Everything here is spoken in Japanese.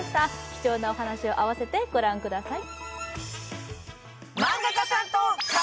貴重なお話を併せて御覧ください。